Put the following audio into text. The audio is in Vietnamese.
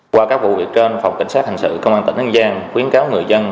qua các vụ việc trên phòng cảnh sát thành sự công an tỉnh an giang khuyến cáo người dân